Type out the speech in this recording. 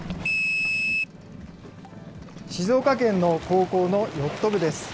静岡県の高校のヨット部です。